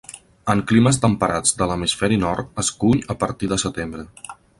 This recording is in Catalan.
En climes temperats de l’hemisferi nord, es cull a partir de setembre.